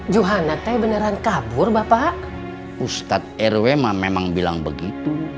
johana teh beneran kabur bapak ustadz rw ma memang bilang begitu